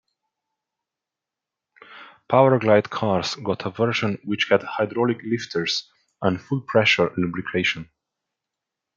Powerglide cars got a version which had hydraulic lifters and full pressure lubrication.